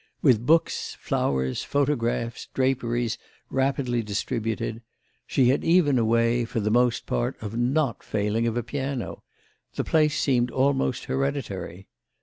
With books, flowers, photographs, draperies, rapidly distributed—she had even a way, for the most part, of not failing of a piano—the place seemed almost hereditary.